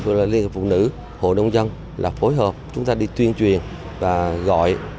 viện phụ nữ hội đồng dân là phối hợp chúng ta đi tuyên truyền và gọi